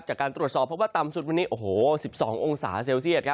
จากการตรวจสอบเพราะว่าต่ำสุดวันนี้๑๒องศาเซลเซียต